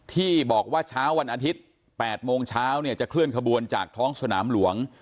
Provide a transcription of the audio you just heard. ที่บอกว่าเช้าวันอาทิตย์๘โมงเช้าเนี่ยจะเคลื่อนขบวนจากท้องสนามหลวง